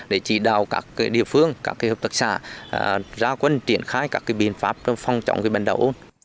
để chỉ đạo các địa phương các hợp tác xã ra quân triển khai các biện pháp phong trọng bệnh đầu ôn